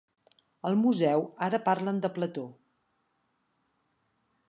Al museu ara parlen de Plató.